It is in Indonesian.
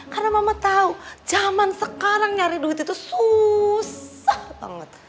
karena mama tahu zaman sekarang nyari duit itu susah banget